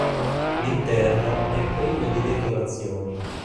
L'interno è privo di decorazioni.